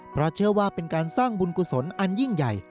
เพราะเชื่อว่าเป็นการสร้างบุญกุศลอันยิ่งใหญ่